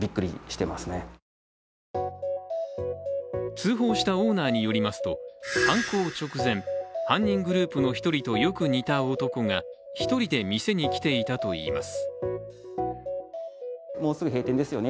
通報したオーナーによりますと犯行直前、犯人グループの１人とよく似た男が１人で店に来ていたといいます。